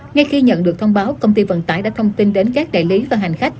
ngay khi nhận được thông báo công ty vận tải đã thông tin đến các đại lý và hành khách